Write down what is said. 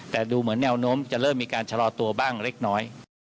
แต่ดูเหมือนแนวโน้มจะเริ่มมีการชะลอตัวบ้างเล็กน้อย